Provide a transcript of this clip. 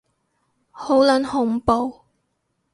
好撚恐怖